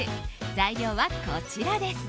材料は、こちらです。